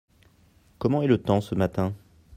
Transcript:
Comment est le temps ce matin ?